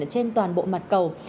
trên toàn bộ mặt cầu